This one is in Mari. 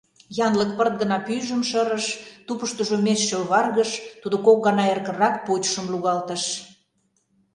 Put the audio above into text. Янлык пырт гына пӱйжым шырыш; тупыштыжо межше оваргыш, тудо кок гана эркынрак почшым лугалтыш.